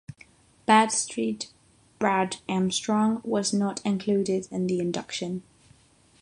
Badstreet Brad Armstrong was not included in the induction.